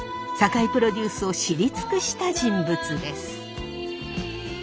酒井プロデュースを知り尽くした人物です。